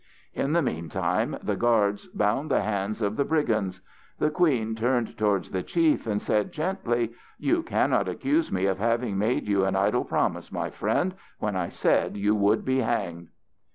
In the meantime the guards bound the hands of the brigands. The queen turned towards the chief and said gently: "You cannot accuse me of having made you an idle promise, my friend, when I said you would be hanged."